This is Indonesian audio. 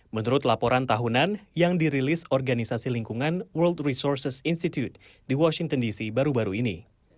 menurut laporan tahunan yang dirilis organisasi lingkungan world resources institute di washington dc baru baru ini